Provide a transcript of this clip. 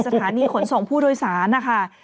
สถานีขนส่งผู้โดยสารนะคะ